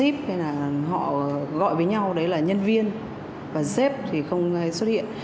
thì họ gọi với nhau đấy là nhân viên và sếp thì không xuất hiện